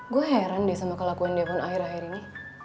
gue heran deh sama kelakuan dia pun akhir akhir ini